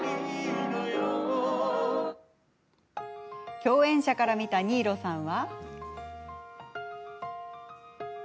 共演者から見た新納さんは？